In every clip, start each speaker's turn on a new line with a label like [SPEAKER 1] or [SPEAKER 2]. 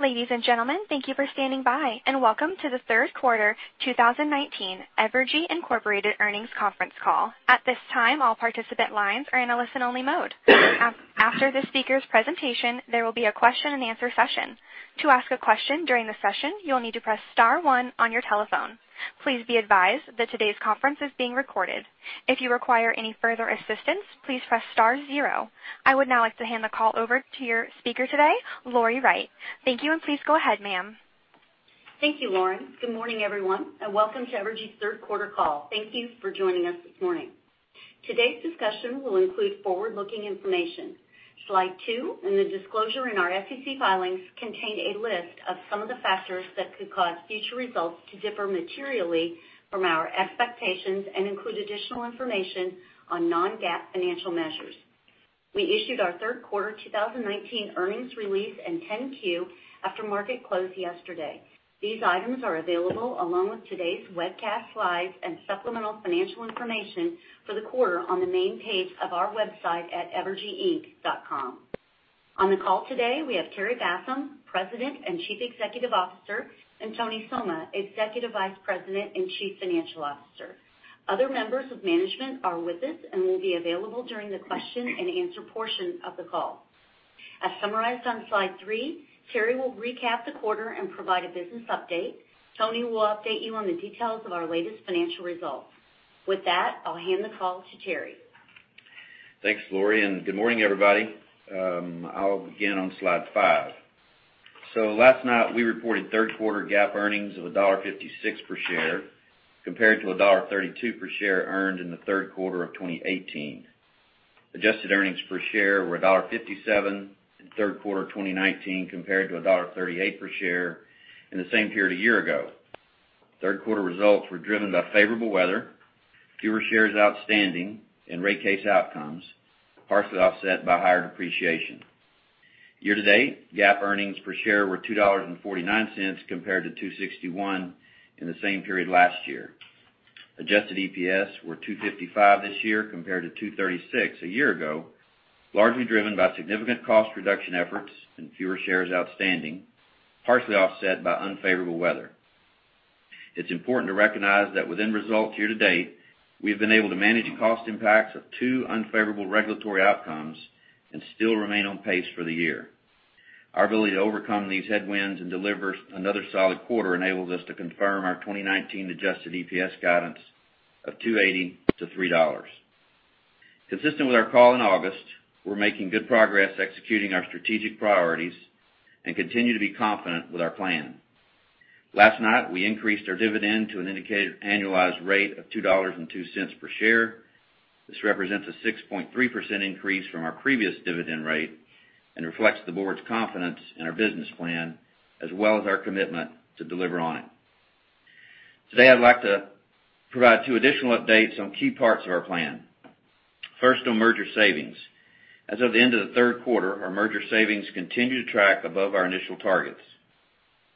[SPEAKER 1] Ladies and gentlemen, thank you for standing by, and welcome to the third quarter 2019 Evergy Incorporated earnings conference call. At this time, all participant lines are in a listen-only mode. After the speaker's presentation, there will be a question and answer session. To ask a question during the session, you will need to press star one on your telephone. Please be advised that today's conference is being recorded. If you require any further assistance, please press star zero. I would now like to hand the call over to your speaker today, Lori Wright. Thank you, and please go ahead, ma'am.
[SPEAKER 2] Thank you, Lauren. Good morning, everyone, and welcome to Evergy's third quarter call. Thank you for joining us this morning. Today's discussion will include forward-looking information. Slide two in the disclosure in our SEC filings contain a list of some of the factors that could cause future results to differ materially from our expectations and include additional information on non-GAAP financial measures. We issued our third quarter 2019 earnings release and 10-Q after market close yesterday. These items are available along with today's webcast slides and supplemental financial information for the quarter on the main page of our website at evergyinc.com. On the call today, we have Terry Bassham, President and Chief Executive Officer, and Tony Somma, Executive Vice President and Chief Financial Officer. Other members of management are with us and will be available during the question and answer portion of the call. As summarized on slide three, Terry will recap the quarter and provide a business update. Tony will update you on the details of our latest financial results. With that, I'll hand the call to Terry.
[SPEAKER 3] Thanks, Lori, and good morning, everybody. I'll begin on slide five. Last night, we reported third-quarter GAAP earnings of $1.56 per share, compared to $1.32 per share earned in the third quarter of 2018. Adjusted earnings per share were $1.57 in third quarter of 2019, compared to $1.38 per share in the same period a year ago. Third-quarter results were driven by favorable weather, fewer shares outstanding, and rate case outcomes, partially offset by higher depreciation. Year-to-date, GAAP earnings per share were $2.49, compared to $2.61 in the same period last year. Adjusted EPS were $2.55 this year, compared to $2.36 a year ago, largely driven by significant cost reduction efforts and fewer shares outstanding, partially offset by unfavorable weather. It's important to recognize that within results year-to-date, we have been able to manage cost impacts of two unfavorable regulatory outcomes and still remain on pace for the year. Our ability to overcome these headwinds and deliver another solid quarter enables us to confirm our 2019 adjusted EPS guidance of $2.80-$3. Consistent with our call in August, we're making good progress executing our strategic priorities and continue to be confident with our plan. Last night, we increased our dividend to an indicated annualized rate of $2.02 per share. This represents a 6.3% increase from our previous dividend rate and reflects the board's confidence in our business plan as well as our commitment to deliver on it. Today, I'd like to provide two additional updates on key parts of our plan. First, on merger savings. As of the end of the third quarter, our merger savings continue to track above our initial targets.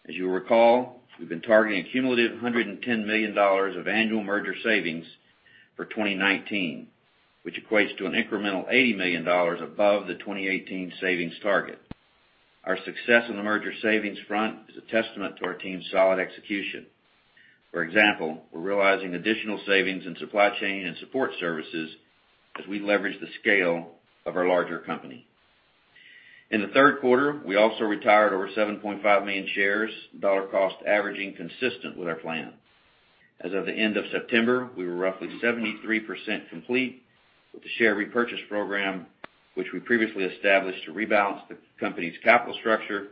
[SPEAKER 3] As you'll recall, we've been targeting a cumulative $110 million of annual merger savings for 2019, which equates to an incremental $80 million above the 2018 savings target. Our success on the merger savings front is a testament to our team's solid execution. For example, we're realizing additional savings in supply chain and support services as we leverage the scale of our larger company. In the third quarter, we also retired over 7.5 million shares, dollar cost averaging consistent with our plan. As of the end of September, we were roughly 73% complete with the share repurchase program, which we previously established to rebalance the company's capital structure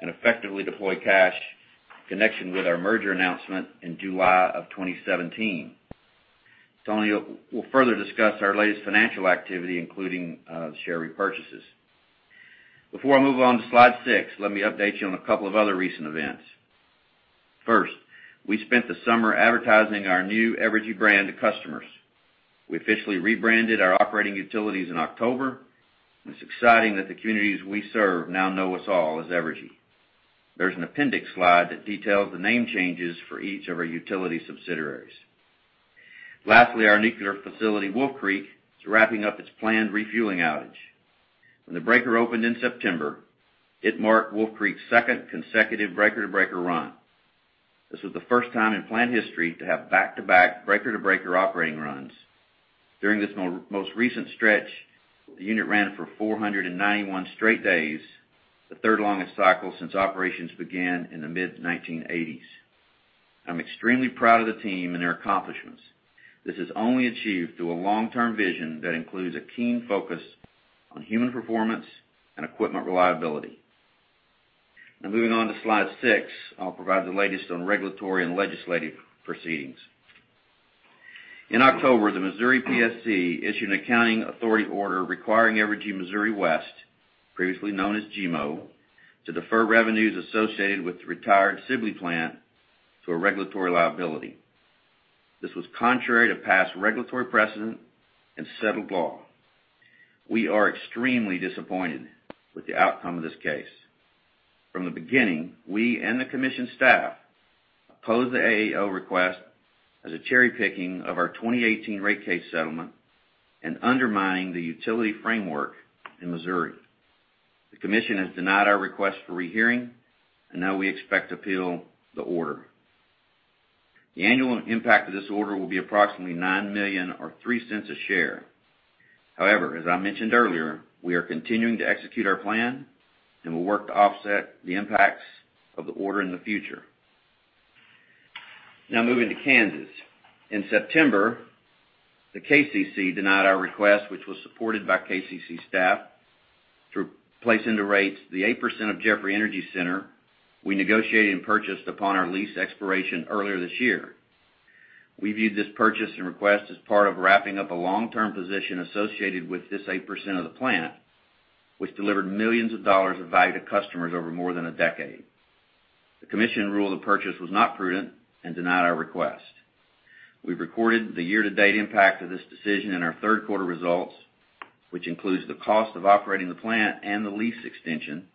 [SPEAKER 3] and effectively deploy cash in connection with our merger announcement in July of 2017. Tony will further discuss our latest financial activity, including, the share repurchases. Before I move on to slide six, let me update you on a couple of other recent events. First, we spent the summer advertising our new Evergy brand to customers. We officially rebranded our operating utilities in October, and it's exciting that the communities we serve now know us all as Evergy. There's an appendix slide that details the name changes for each of our utility subsidiaries. Lastly, our nuclear facility, Wolf Creek, is wrapping up its planned refueling outage. When the breaker opened in September, it marked Wolf Creek's second consecutive breaker-to-breaker run. This was the first time in plant history to have back-to-back breaker-to-breaker operating runs. During this most recent stretch, the unit ran for 491 straight days, the third-longest cycle since operations began in the mid-1980s. I'm extremely proud of the team and their accomplishments. This is only achieved through a long-term vision that includes a keen focus on human performance and equipment reliability. Now moving on to slide six, I'll provide the latest on regulatory and legislative proceedings. In October, the Missouri PSC issued an Accounting Authority Order requiring Evergy Missouri West, previously known as GMO, to defer revenues associated with the retired Sibley Station to a regulatory liability. This was contrary to past regulatory precedent and settled law. We are extremely disappointed with the outcome of this case. From the beginning, we and the commission staff opposed the AAO request as a cherry-picking of our 2018 rate case settlement and undermining the utility framework in Missouri. Now we expect to appeal the order. The annual impact of this order will be approximately $9 million or $0.03 a share. However, as I mentioned earlier, we are continuing to execute our plan, and we'll work to offset the impacts of the order in the future. Now moving to Kansas. In September, the KCC denied our request, which was supported by KCC staff, to place into rates the 8% of Jeffrey Energy Center we negotiated and purchased upon our lease expiration earlier this year. We viewed this purchase and request as part of wrapping up a long-term position associated with this 8% of the plant, which delivered millions of dollars of value to customers over more than a decade. The commission ruled the purchase was not prudent and denied our request. We've recorded the year-to-date impact of this decision in our third quarter results, which includes the cost of operating the plant and the lease extension,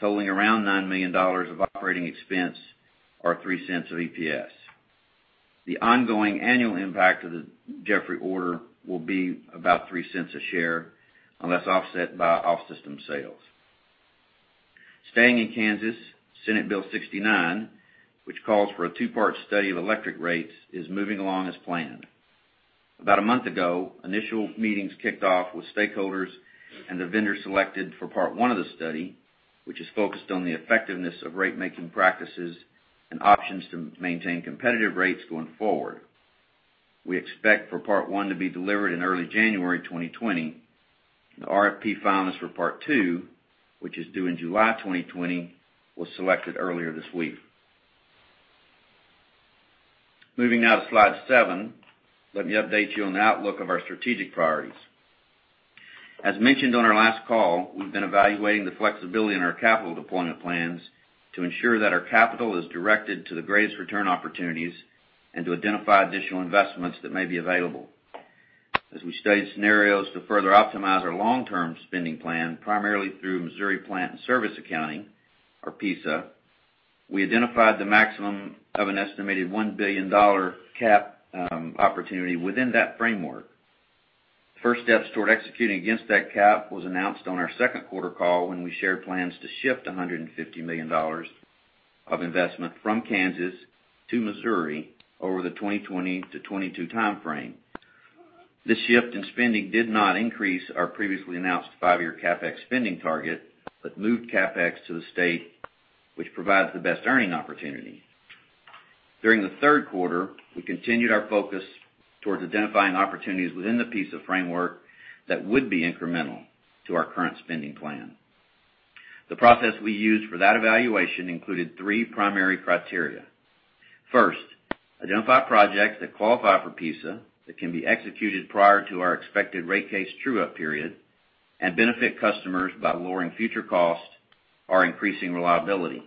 [SPEAKER 3] totaling around $9 million of operating expense or $0.03 of EPS. The ongoing annual impact of the Jeffrey order will be about $0.03 a share, unless offset by off-system sales. Staying in Kansas, Senate Bill 69, which calls for a two-part study of electric rates, is moving along as planned. About a month ago, initial meetings kicked off with stakeholders and the vendor selected for part one of the study, which is focused on the effectiveness of rate-making practices and options to maintain competitive rates going forward. We expect for part one to be delivered in early January 2020. The RFP finalist for part two, which is due in July 2020, was selected earlier this week. Moving now to slide seven. Let me update you on the outlook of our strategic priorities. As mentioned on our last call, we've been evaluating the flexibility in our capital deployment plans to ensure that our capital is directed to the greatest return opportunities and to identify additional investments that may be available. As we studied scenarios to further optimize our long-term spending plan, primarily through Plant-In Service Accounting, or PISA, we identified the maximum of an estimated $1 billion Cap opportunity within that framework. The first steps toward executing against that Cap was announced on our second quarter call when we shared plans to shift $150 million of investment from Kansas to Missouri over the 2020 to 2022 timeframe. This shift in spending did not increase our previously announced five-year CapEx spending target, but moved CapEx to the state, which provides the best earning opportunity. During the third quarter, we continued our focus towards identifying opportunities within the PISA framework that would be incremental to our current spending plan. The process we used for that evaluation included three primary criteria. First, identify projects that qualify for PISA that can be executed prior to our expected rate case true-up period and benefit customers by lowering future costs or increasing reliability.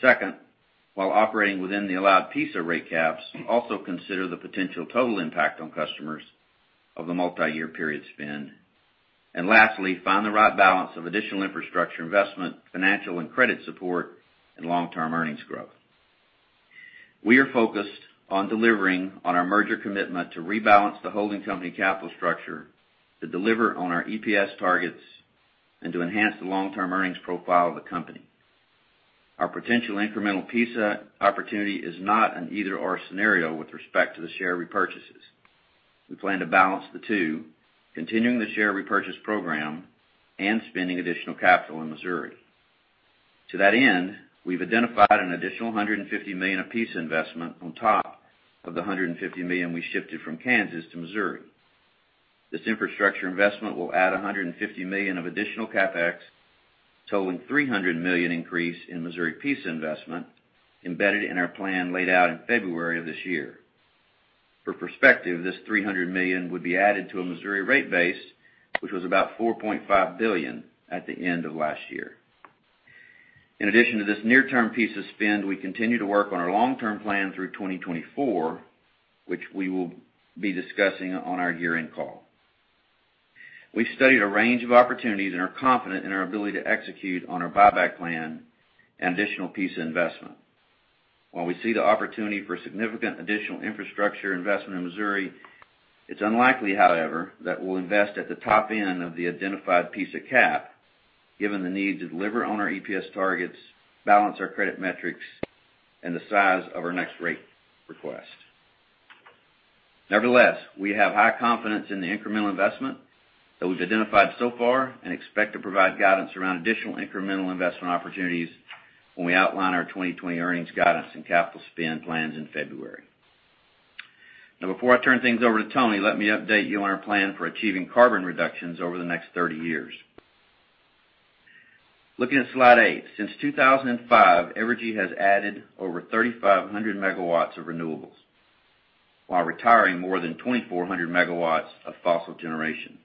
[SPEAKER 3] Second, while operating within the allowed PISA rate caps, also consider the potential total impact on customers of the multiyear period spend. Lastly, find the right balance of additional infrastructure investment, financial and credit support, and long-term earnings growth. We are focused on delivering on our merger commitment to rebalance the holding company capital structure to deliver on our EPS targets and to enhance the long-term earnings profile of the company. Our potential incremental PISA opportunity is not an either/or scenario with respect to the share repurchases. We plan to balance the two, continuing the share repurchase program and spending additional capital in Missouri. To that end, we've identified an additional $150 million of PISA investment on top of the $150 million we shifted from Kansas to Missouri. This infrastructure investment will add $150 million of additional CapEx, totaling $300 million increase in Missouri PISA investment embedded in our plan laid out in February of this year. For perspective, this $300 million would be added to a Missouri rate base, which was about $4.5 billion at the end of last year. In addition to this near-term PISA spend, we continue to work on our long-term plan through 2024, which we will be discussing on our year-end call. We've studied a range of opportunities and are confident in our ability to execute on our buyback plan and additional PISA investment. While we see the opportunity for significant additional infrastructure investment in Missouri, it's unlikely, however, that we'll invest at the top end of the identified PISA cap, given the need to deliver on our EPS targets, balance our credit metrics, and the size of our next rate request. Nevertheless, we have high confidence in the incremental investment that we've identified so far and expect to provide guidance around additional incremental investment opportunities when we outline our 2020 earnings guidance and capital spend plans in February. Now, before I turn things over to Tony, let me update you on our plan for achieving carbon reductions over the next 30 years. Looking at slide eight, since 2005, Evergy has added over 3,500 megawatts of renewables while retiring more than 2,400 megawatts of fossil generation.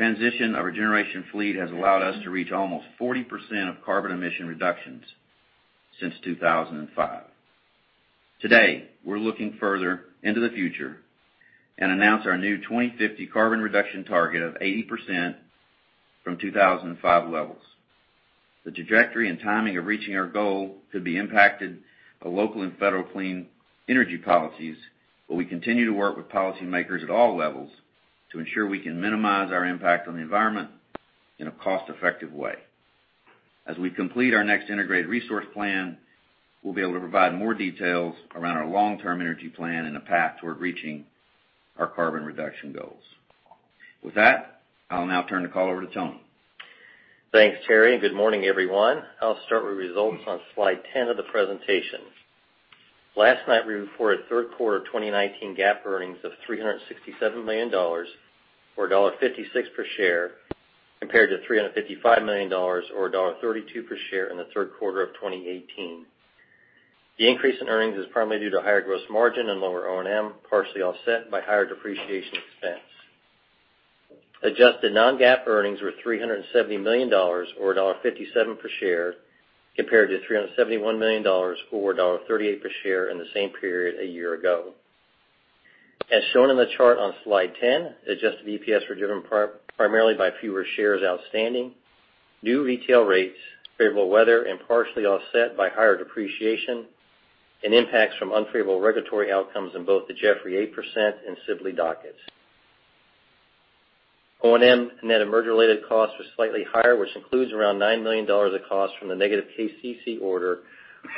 [SPEAKER 3] The transition of our generation fleet has allowed us to reach almost 40% of carbon emission reductions since 2005. Today, we're looking further into the future and announce our new 2050 carbon reduction target of 80% From 2005 levels. The trajectory and timing of reaching our goal could be impacted by local and federal clean energy policies, but we continue to work with policymakers at all levels to ensure we can minimize our impact on the environment in a cost-effective way. As we complete our next integrated resource plan, we'll be able to provide more details around our long-term energy plan and a path toward reaching our carbon reduction goals. With that, I'll now turn the call over to Tony.
[SPEAKER 4] Thanks, Terry, and good morning, everyone. I'll start with results on slide 10 of the presentation. Last night, we reported third quarter 2019 GAAP earnings of $367 million, or $1.56 per share, compared to $355 million or $1.32 per share in the third quarter of 2018. The increase in earnings is primarily due to higher gross margin and lower O&M, partially offset by higher depreciation expense. Adjusted non-GAAP earnings were $370 million or $1.57 per share compared to $371 million or $1.38 per share in the same period a year ago. As shown in the chart on slide 10, adjusted EPS were driven primarily by fewer shares outstanding, new retail rates, favorable weather, and partially offset by higher depreciation and impacts from unfavorable regulatory outcomes in both the Jeffrey 8% and Sibley dockets. O&M net of merger-related costs were slightly higher, which includes around $9 million of costs from the negative KCC order,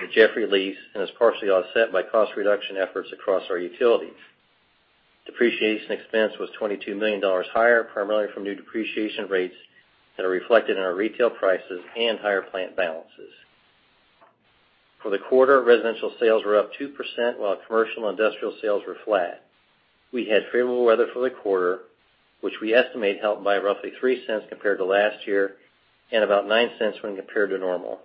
[SPEAKER 4] the Jeffrey lease, and is partially offset by cost reduction efforts across our utilities. Depreciation expense was $22 million higher, primarily from new depreciation rates that are reflected in our retail prices and higher plant balances. For the quarter, residential sales were up 2% while commercial and industrial sales were flat. We had favorable weather for the quarter, which we estimate helped by roughly $0.03 compared to last year, and about $0.09 when compared to normal.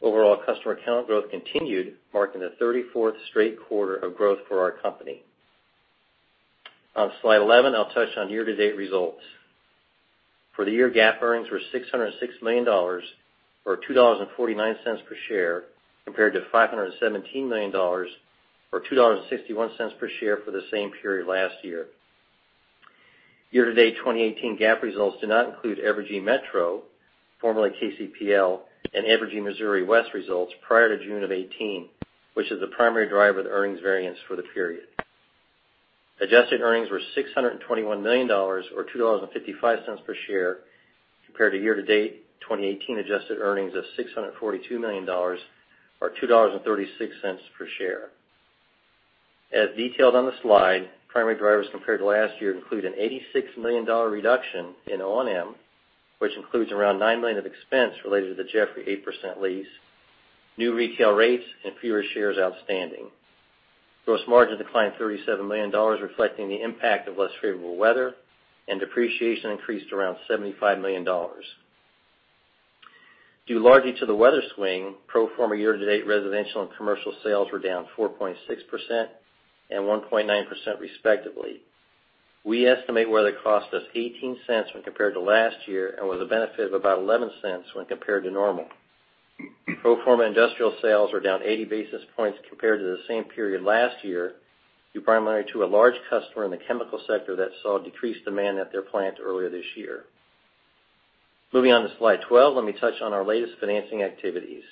[SPEAKER 4] Overall customer count growth continued, marking the 34th straight quarter of growth for our company. On slide 11, I'll touch on year-to-date results. For the year, GAAP earnings were $606 million, or $2.49 per share, compared to $517 million or $2.61 per share for the same period last year. Year-to-date 2018 GAAP results do not include Evergy Metro, formerly KCPL, and Evergy Missouri West results prior to June of 2018, which is the primary driver of the earnings variance for the period. Adjusted earnings were $621 million, or $2.55 per share, compared to year-to-date 2018 adjusted earnings of $642 million, or $2.36 per share. As detailed on the slide, primary drivers compared to last year include an $86 million reduction in O&M, which includes around $9 million of expense related to the Jeffrey 8% lease, new retail rates, and fewer shares outstanding. Gross margin declined $37 million, reflecting the impact of less favorable weather, and depreciation increased around $75 million. Due largely to the weather swing, pro forma year-to-date residential and commercial sales were down 4.6% and 1.9% respectively. We estimate weather cost us $0.18 when compared to last year and was a benefit of about $0.11 when compared to normal. Pro forma industrial sales were down 80 basis points compared to the same period last year due primarily to a large customer in the chemical sector that saw decreased demand at their plant earlier this year. Moving on to slide 12, let me touch on our latest financing activities.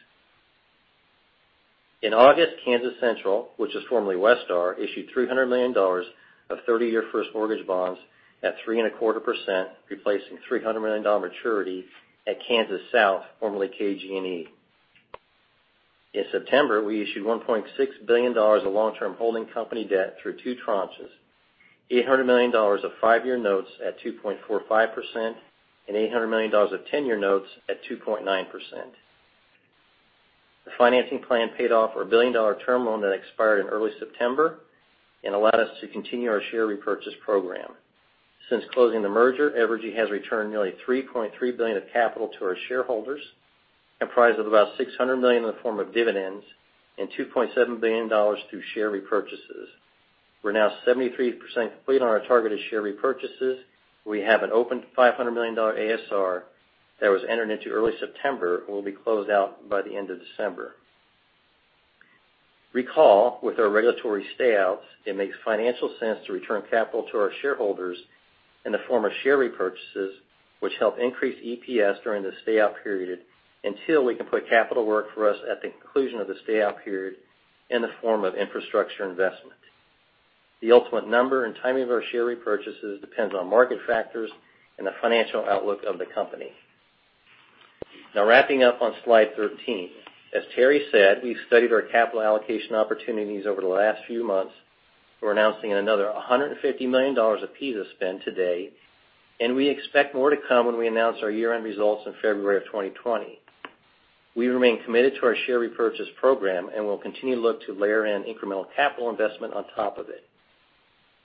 [SPEAKER 4] In August, Kansas Central, which was formerly Westar, issued $300 million of 30-year first mortgage bonds at 3.25%, replacing a $300 million maturity at Kansas South, formerly KG&E. In September, we issued $1.6 billion of long-term holding company debt through two tranches, $800 million of five-year notes at 2.45% and $800 million of 10-year notes at 2.9%. The financing plan paid off our billion-dollar term loan that expired in early September and allowed us to continue our share repurchase program. Since closing the merger, Evergy has returned nearly $3.3 billion of capital to our shareholders, comprised of about $600 million in the form of dividends and $2.7 billion through share repurchases. We're now 73% complete on our targeted share repurchases. We have an open $500 million ASR that was entered into early September and will be closed out by the end of December. Recall, with our regulatory stay-outs, it makes financial sense to return capital to our shareholders in the form of share repurchases, which help increase EPS during the stay-out period until we can put capital at work for us at the conclusion of the stay-out period in the form of infrastructure investment. The ultimate number and timing of our share repurchases depends on market factors and the financial outlook of the company. Now wrapping up on slide 13. As Terry said, we've studied our capital allocation opportunities over the last few months. We're announcing another $150 million of PISA spend today, and we expect more to come when we announce our year-end results in February of 2020. We remain committed to our share repurchase program and will continue to look to layer in incremental capital investment on top of it.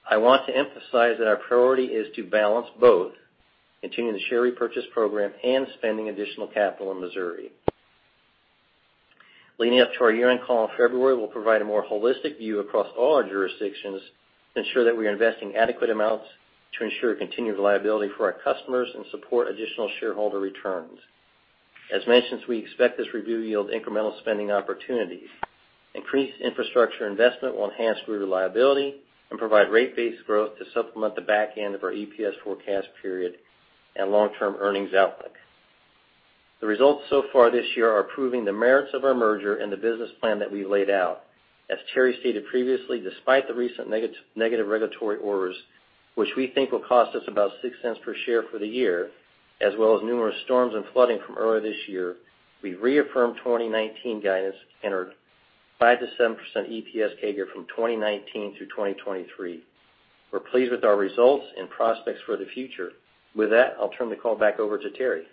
[SPEAKER 4] I want to emphasize that our priority is to balance both continuing the share repurchase program and spending additional capital in Missouri. Leading up to our year-end call in February, we'll provide a more holistic view across all our jurisdictions to ensure that we are investing adequate amounts to ensure continued reliability for our customers and support additional shareholder returns. As mentioned, we expect this review to yield incremental spending opportunities. Increased infrastructure investment will enhance reliability and provide rate-based growth to supplement the back end of our EPS forecast period and long-term earnings outlook. The results so far this year are proving the merits of our merger and the business plan that we've laid out. As Terry stated previously, despite the recent negative regulatory orders, which we think will cost us about $0.06 per share for the year, as well as numerous storms and flooding from earlier this year, we've reaffirmed 2019 guidance and our 5%-7% EPS CAGR from 2019 to 2023. We're pleased with our results and prospects for the future. With that, I'll turn the call back over to Terry.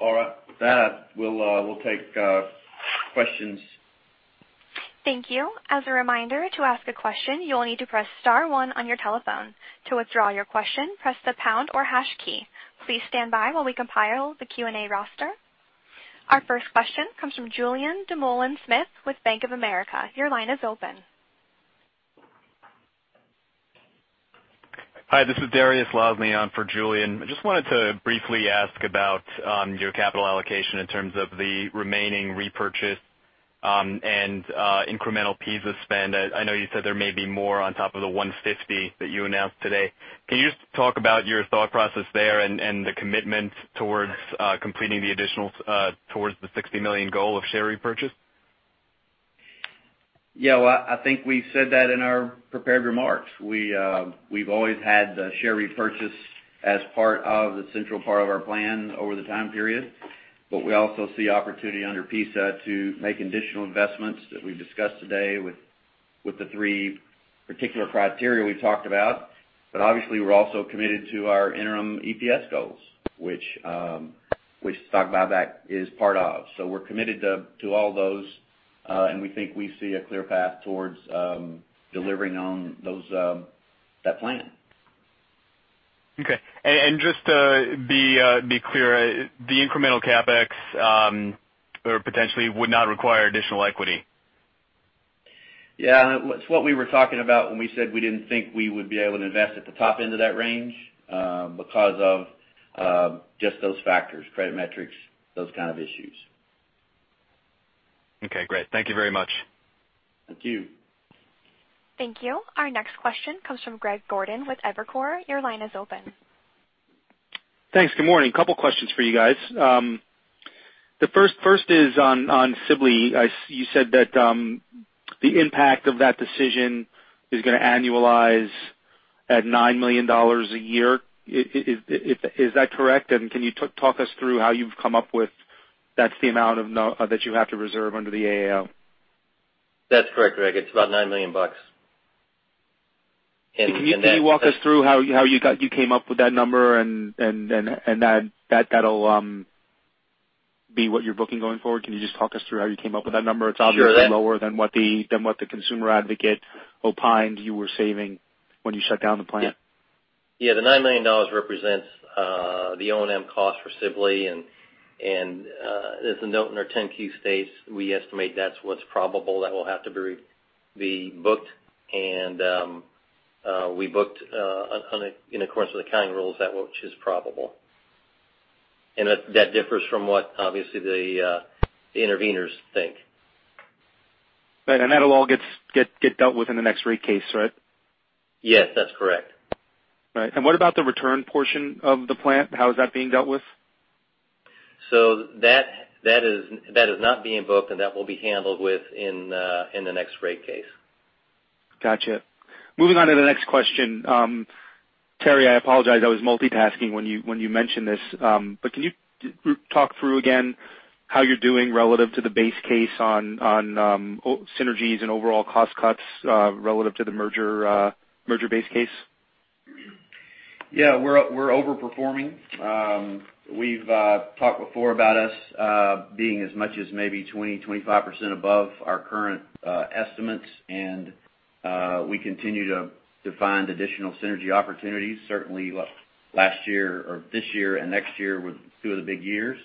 [SPEAKER 3] All right. With that, we'll take questions.
[SPEAKER 1] Thank you. As a reminder, to ask a question, you will need to press star one on your telephone. To withdraw your question, press the pound or hash key. Please stand by while we compile the Q&A roster. Our first question comes from Julien Dumoulin-Smith with Bank of America. Your line is open.
[SPEAKER 5] Hi, this is Dariusz Lozny on for Julien. I just wanted to briefly ask about your capital allocation in terms of the remaining repurchase and incremental PISA spend. I know you said there may be more on top of the $150 that you announced today. Can you just talk about your thought process there and the commitment towards completing the additional towards the $60 million goal of share repurchase?
[SPEAKER 3] Yeah. Well, I think we said that in our prepared remarks. We've always had the share repurchase as part of the central part of our plan over the time period, but we also see opportunity under PISA to make additional investments that we've discussed today with the three particular criteria we talked about. Obviously, we're also committed to our interim EPS goals, which stock buyback is part of. We're committed to all those and we think we see a clear path towards delivering on that plan.
[SPEAKER 5] Just to be clear, the incremental CapEx potentially would not require additional equity?
[SPEAKER 3] Yeah. It's what we were talking about when we said we didn't think we would be able to invest at the top end of that range because of just those factors, credit metrics, those kind of issues.
[SPEAKER 5] Okay, great. Thank you very much.
[SPEAKER 3] Thank you.
[SPEAKER 1] Thank you. Our next question comes from Greg Gordon with Evercore. Your line is open.
[SPEAKER 6] Thanks. Good morning. Couple of questions for you guys. The first is on Sibley. You said that the impact of that decision is going to annualize at $9 million a year. Is that correct? Can you talk us through how you've come up with that's the amount that you have to reserve under the AAO?
[SPEAKER 3] That's correct, Greg. It's about $9 million.
[SPEAKER 6] Can you walk us through how you came up with that number and that'll be what you're booking going forward? Can you just talk us through how you came up with that number?
[SPEAKER 3] Sure.
[SPEAKER 6] It's obviously lower than what the consumer advocate opined you were saving when you shut down the plant.
[SPEAKER 3] Yeah. The $9 million represents the O&M cost for Sibley. As the note in our 10-Q states, we estimate that's what's probable that will have to be booked. We booked in accordance with accounting rules that which is probable. That differs from what obviously the interveners think.
[SPEAKER 6] Right. That all gets dealt with in the next rate case, right?
[SPEAKER 3] Yes, that's correct.
[SPEAKER 6] Right. What about the return portion of the plant? How is that being dealt with?
[SPEAKER 3] That is not being booked, and that will be handled with in the next rate case.
[SPEAKER 6] Got you. Moving on to the next question. Terry, I apologize. I was multitasking when you mentioned this. Can you talk through again how you're doing relative to the base case on synergies and overall cost cuts relative to the merger base case?
[SPEAKER 3] Yeah. We're over-performing. We've talked before about us being as much as maybe 20%, 25% above our current estimates, and we continue to find additional synergy opportunities. Certainly this year and next year were two of the big years.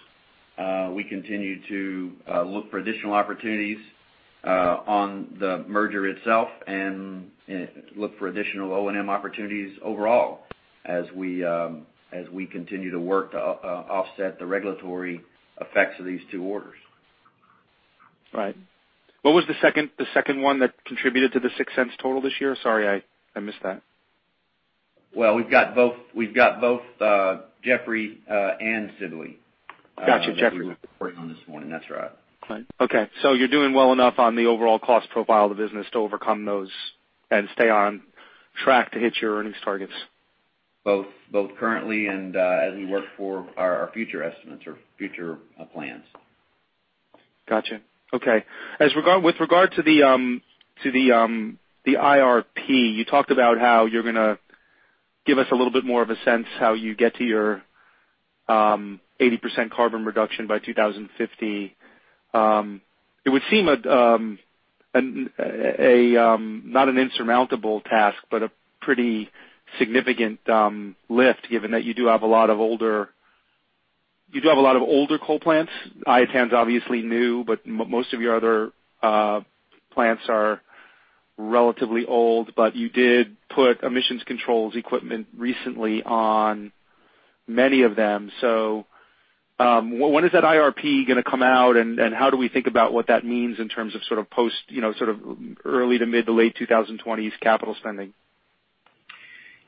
[SPEAKER 3] We continue to look for additional opportunities on the merger itself and look for additional O&M opportunities overall as we continue to work to offset the regulatory effects of these two orders.
[SPEAKER 6] Right. What was the second one that contributed to the $0.06 total this year? Sorry, I missed that.
[SPEAKER 3] Well, we've got both Jeffrey and Sibley.
[SPEAKER 6] Got you. Jeffrey.
[SPEAKER 3] That we reported on this morning. That's right.
[SPEAKER 6] Okay. You're doing well enough on the overall cost profile of the business to overcome those and stay on track to hit your earnings targets.
[SPEAKER 3] Both currently and as we work for our future estimates or future plans.
[SPEAKER 6] Got you. Okay. With regard to the IRP, you talked about how you're going to give us a little bit more of a sense how you get to your 80% carbon reduction by 2050. It would seem not an insurmountable task, but a pretty significant lift given that you do have a lot of older coal plants. Iatan's obviously new, but most of your other plants are relatively old, but you did put emissions controls equipment recently on many of them. When is that IRP going to come out, and how do we think about what that means in terms of post, early to mid to late 2020s capital spending?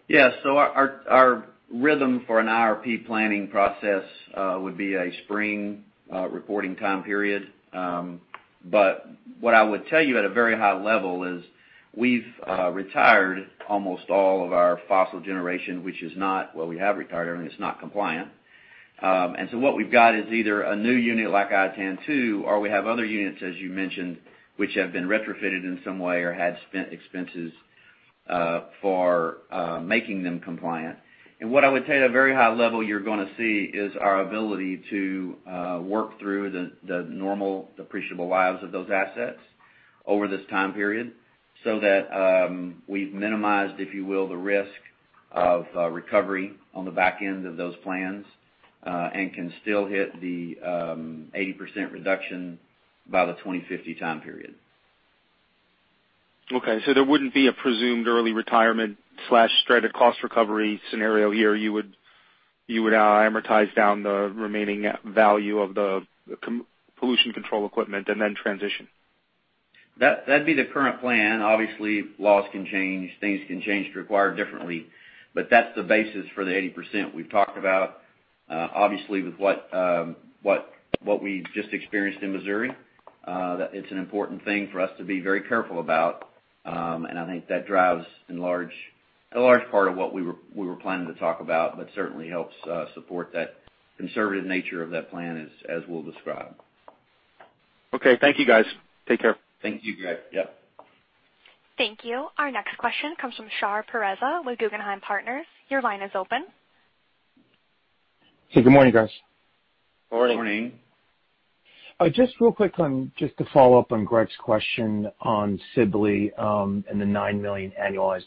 [SPEAKER 3] Yeah. Our rhythm for an IRP planning process would be a spring reporting time period. What I would tell you at a very high level is we've retired almost all of our fossil generation, well, we have retired, I mean, it's not compliant. What we've got is either a new unit like Iatan 2, or we have other units, as you mentioned, which have been retrofitted in some way or had expenses for making them compliant. What I would say at a very high level you're going to see is our ability to work through the normal depreciable lives of those assets over this time period, so that we've minimized, if you will, the risk of recovery on the back end of those plans, and can still hit the 80% reduction by the 2050 time period.
[SPEAKER 6] Okay. There wouldn't be a presumed early retirement/stranded cost recovery scenario here. You would amortize down the remaining value of the pollution control equipment and then transition.
[SPEAKER 3] That'd be the current plan. Obviously, laws can change. Things can change to require differently. That's the basis for the 80% we've talked about. Obviously, with what we just experienced in Missouri, that it's an important thing for us to be very careful about. I think that drives a large part of what we were planning to talk about, but certainly helps support that conservative nature of that plan as we'll describe.
[SPEAKER 6] Okay. Thank you guys. Take care.
[SPEAKER 3] Thank you, Greg. Yep.
[SPEAKER 1] Thank you. Our next question comes from Shar Pourreza with Guggenheim Partners. Your line is open.
[SPEAKER 7] Hey, good morning, guys.
[SPEAKER 3] Morning.
[SPEAKER 7] Just real quick on, just to follow up on Greg's question on Sibley, and the $9 million annualized.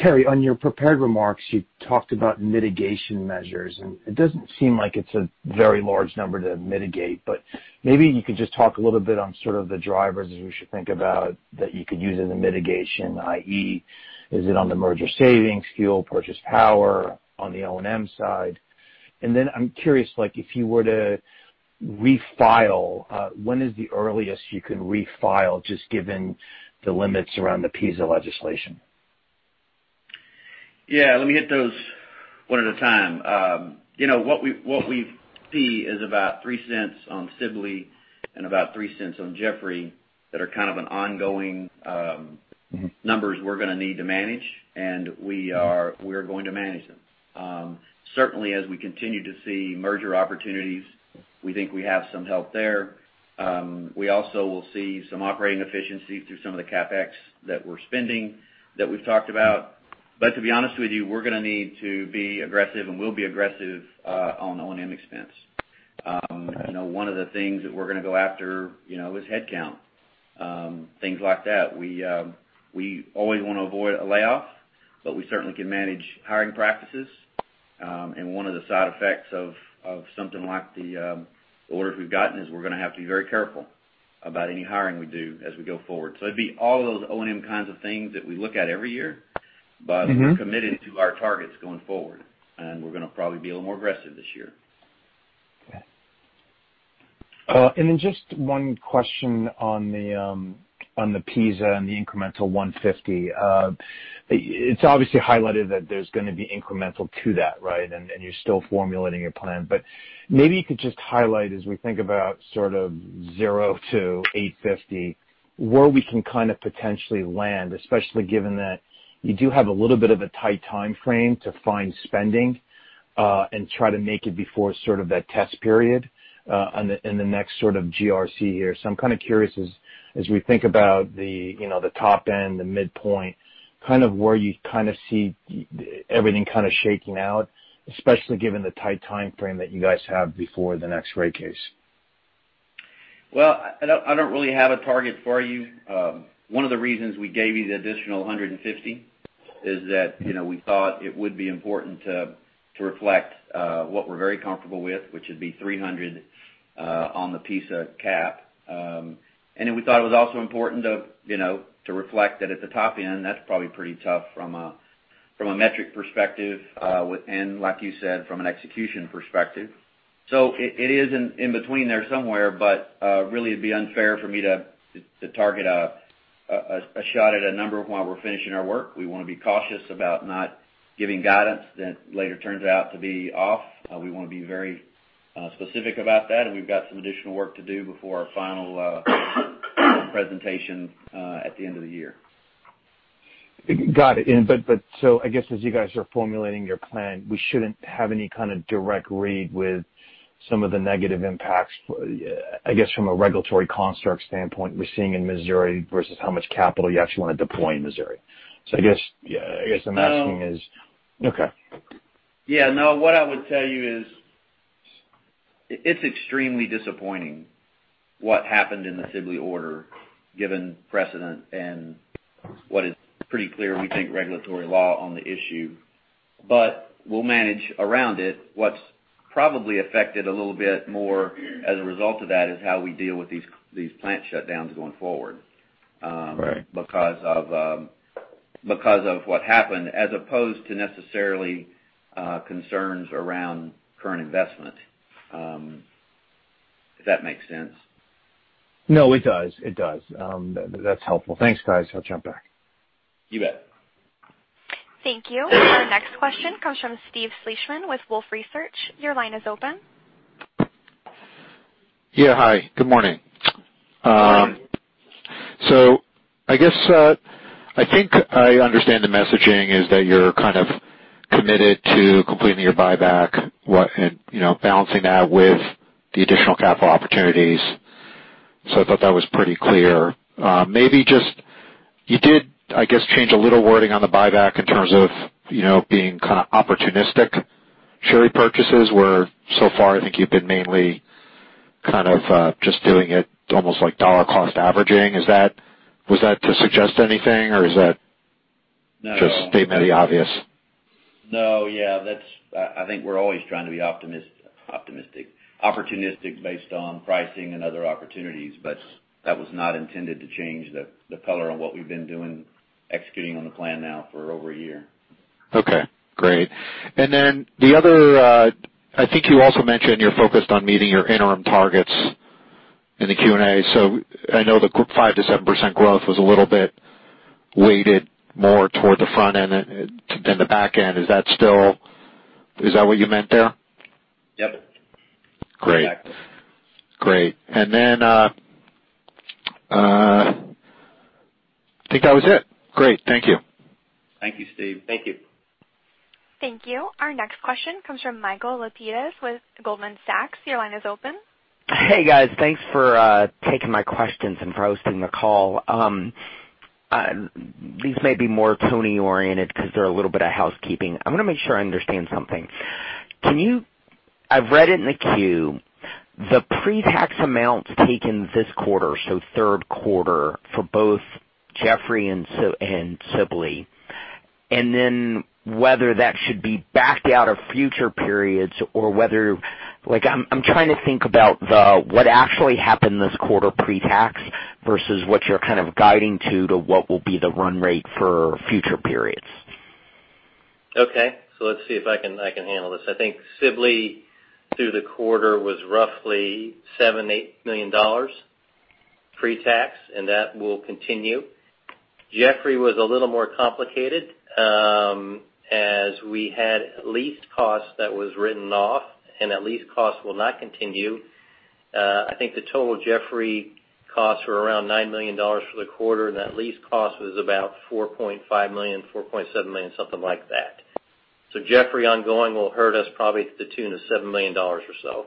[SPEAKER 7] Terry, on your prepared remarks, you talked about mitigation measures, and it doesn't seem like it's a very large number to mitigate, but maybe you could just talk a little bit on sort of the drivers as we should think about that you could use as a mitigation, i.e., is it on the merger savings, fuel purchase power on the O&M side? Then I'm curious, like, if you were to refile, when is the earliest you can refile just given the limits around the PISA legislation?
[SPEAKER 3] Yeah, let me hit those one at a time. What we see is about $0.03 on Sibley and about $0.03 on Jeffrey that are kind of an ongoing numbers we're going to need to manage, and we are going to manage them. Certainly as we continue to see merger opportunities, we think we have some help there. We also will see some operating efficiencies through some of the CapEx that we're spending, that we've talked about. To be honest with you, we're going to need to be aggressive, and we'll be aggressive on O&M expense. One of the things that we're going to go after is headcount. Things like that. We always want to avoid a layoff, but we certainly can manage hiring practices. One of the side effects of something like the orders we've gotten is we're going to have to be very careful about any hiring we do as we go forward. It'd be all of those O&M kinds of things that we look at every year. We're committed to our targets going forward, and we're going to probably be a little more aggressive this year.
[SPEAKER 7] Then just one question on the PISA and the incremental $150. It's obviously highlighted that there's going to be incremental to that, right? You're still formulating your plan. Maybe you could just highlight as we think about sort of $0-$850, where we can kind of potentially land, especially given that you do have a little bit of a tight timeframe to find spending, and try to make it before sort of that test period, in the next sort of GRC here. I'm kind of curious as we think about the top end, the midpoint, kind of where you kind of see everything kind of shaking out, especially given the tight timeframe that you guys have before the next rate case.
[SPEAKER 3] Well, I don't really have a target for you. One of the reasons we gave you the additional 150 is that we thought it would be important to reflect what we're very comfortable with, which would be 300 on the PISA cap. We thought it was also important to reflect that at the top end, that's probably pretty tough from a metric perspective, and like you said, from an execution perspective. It is in between there somewhere, but really it'd be unfair for me to target a shot at a number while we're finishing our work. We want to be cautious about not giving guidance that later turns out to be off. We want to be very specific about that, and we've got some additional work to do before our final presentation at the end of the year.
[SPEAKER 7] Got it. I guess as you guys are formulating your plan, we shouldn't have any kind of direct read with some of the negative impacts, I guess, from a regulatory construct standpoint we're seeing in Missouri versus how much capital you actually want to deploy in Missouri. I guess I'm asking is Okay.
[SPEAKER 3] Yeah, no. What I would tell you is it's extremely disappointing what happened in the Sibley order, given precedent and what is pretty clear, we think regulatory law on the issue. We'll manage around it. What's probably affected a little bit more as a result of that is how we deal with these plant shutdowns going forward.
[SPEAKER 7] Right.
[SPEAKER 3] Because of what happened as opposed to necessarily concerns around current investment. If that makes sense.
[SPEAKER 7] No, it does. That's helpful. Thanks, guys. I'll jump back.
[SPEAKER 3] You bet.
[SPEAKER 1] Thank you. Our next question comes from Steve Fleishman with Wolfe Research. Your line is open.
[SPEAKER 8] Yeah, hi. Good morning.
[SPEAKER 3] Good morning.
[SPEAKER 8] I guess, I think I understand the messaging is that you're kind of committed to completing your buyback and balancing that with the additional capital opportunities. I thought that was pretty clear. You did, I guess, change a little wording on the buyback in terms of being kind of opportunistic. Share purchases were so far, I think you've been mainly kind of just doing it almost like dollar cost averaging. Was that to suggest anything?
[SPEAKER 3] No
[SPEAKER 8] just stating the obvious?
[SPEAKER 3] No, yeah. I think we're always trying to be opportunistic based on pricing and other opportunities. That was not intended to change the color on what we've been doing, executing on the plan now for over a year.
[SPEAKER 8] Okay, great. The other, I think you also mentioned you're focused on meeting your interim targets in the Q&A. I know the 5%-7% growth was a little bit weighted more toward the front end than the back end. Is that what you meant there?
[SPEAKER 3] Yep.
[SPEAKER 8] Great.
[SPEAKER 3] Exactly.
[SPEAKER 8] Great. I think that was it. Great. Thank you.
[SPEAKER 3] Thank you, Steve.
[SPEAKER 4] Thank you.
[SPEAKER 1] Thank you. Our next question comes from Michael Lapides with Goldman Sachs. Your line is open.
[SPEAKER 9] Hey, guys. Thanks for taking my questions and for hosting the call. These may be more Tony-oriented because they're a little bit of housekeeping. I'm going to make sure I understand something. I've read it in the Q, the pre-tax amounts taken this quarter, so third quarter, for both Jeffrey and Sibley. Whether that should be backed out of future periods or whether I'm trying to think about what actually happened this quarter pre-tax versus what you're kind of guiding to what will be the run rate for future periods.
[SPEAKER 4] Okay. Let's see if I can handle this. I think Sibley through the quarter was roughly $7 million-$8 million pre-tax, and that will continue. Jeffrey was a little more complicated, as we had lease costs that was written off. That lease cost will not continue. I think the total Jeffrey costs were around $9 million for the quarter. That lease cost was about $4.5 million-$4.7 million, something like that. Jeffrey ongoing will hurt us probably to the tune of $7 million or so.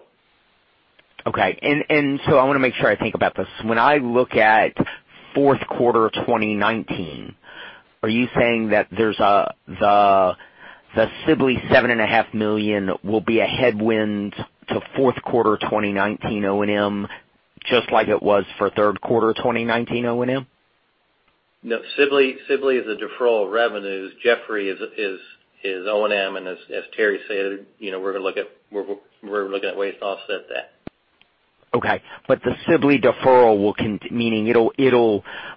[SPEAKER 9] Okay. I want to make sure I think about this. When I look at fourth quarter 2019, are you saying that the Sibley seven and a half million will be a headwind to fourth quarter 2019 O&M, just like it was for third quarter 2019 O&M?
[SPEAKER 4] No, Sibley is a deferral of revenues. Jeffrey is O&M, and as Terry said, we're looking at ways to offset that.
[SPEAKER 9] Okay. The Sibley deferral,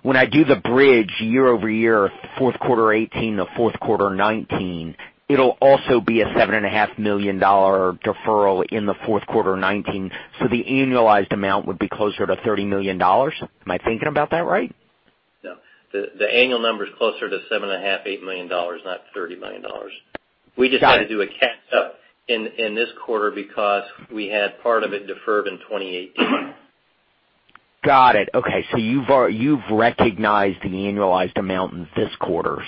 [SPEAKER 9] when I do the bridge year-over-year, fourth quarter 2018 to fourth quarter 2019, it'll also be a $7.5 million deferral in the fourth quarter 2019, so the annualized amount would be closer to $30 million? Am I thinking about that right?
[SPEAKER 4] No. The annual number is closer to $7.5 million, $8 million, not $30 million.
[SPEAKER 9] Got it.
[SPEAKER 4] We just had to do a catch-up in this quarter because we had part of it deferred in 2018.
[SPEAKER 9] Got it. Okay, you've recognized the annualized amount in this quarter.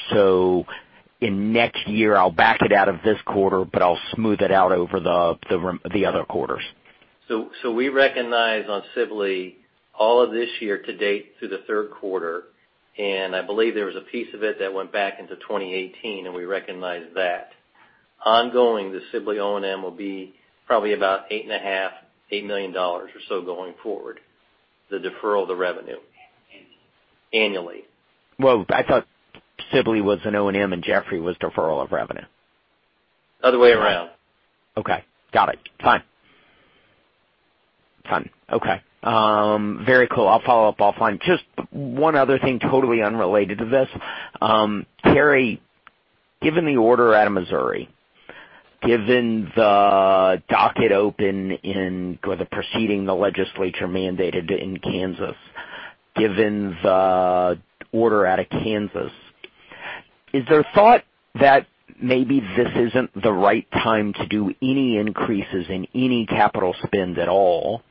[SPEAKER 9] In next year, I'll back it out of this quarter, but I'll smooth it out over the other quarters.
[SPEAKER 4] We recognize on Sibley all of this year-to-date through the third quarter, and I believe there was a piece of it that went back into 2018, and we recognized that. Ongoing, the Sibley O&M will be probably about $8.5 million, $8 million or so going forward, the deferral of the revenue annually.
[SPEAKER 9] Well, I thought Sibley was an O&M and Jeffrey was deferral of revenue.
[SPEAKER 4] Other way around.
[SPEAKER 9] Okay. Got it. Fine. Okay. Very cool. I'll follow up offline. Just one other thing, totally unrelated to this. Terry, given the order out of Missouri, given the docket open in the proceeding the legislature mandated in Kansas, given the order out of Kansas, is there thought that maybe this isn't the right time to do any increases in any capital spend at all,